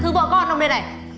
thương vợ con không đây này